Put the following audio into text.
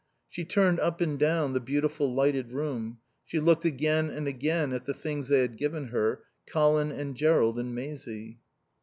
She turned up and down the beautiful lighted room; she looked again and again at the things they had given her, Colin and Jerrold and Maisie.